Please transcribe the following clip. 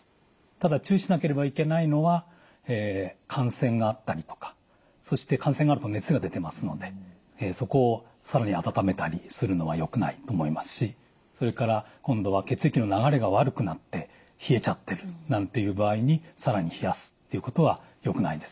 ただ注意しなければいけないのは感染があったりとかそして感染があると熱が出てますのでそこを更に温めたりするのはよくないと思いますしそれから今度は血液の流れが悪くなって冷えちゃってるなんていう場合に更に冷やすということはよくないですよね。